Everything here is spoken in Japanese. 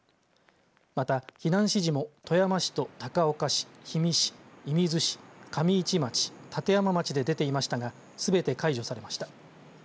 また避難指示も富山市と高岡市氷見市、射水市、上市町立山町で出ていましたがすべて解除されました。